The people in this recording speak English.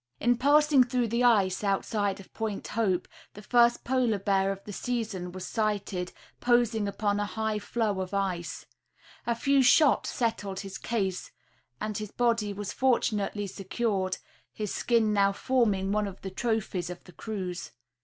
In passing through the ice outside of Point Hope the first polar bear of the season was sighted, posmg upon a high floe of ice. A few shots settled his case and his body wa® fortunately secured, his skin now forming one of the trophies of the cruise.